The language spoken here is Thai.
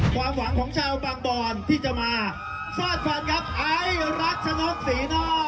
ความหวังของชาวบางบอลที่จะมาสร้างความฝันกับไอรักชนกษีนอก